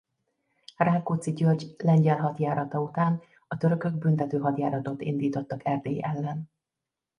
Rákóczi György lengyel hadjárata után a törökök büntető hadjáratot indítottak Erdély ellen.